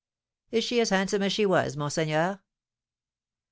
"Is she as handsome as she was, monseigneur?"